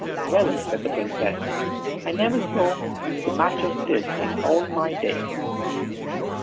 "Well!" said the Princess, "I never saw the match of this in all my days."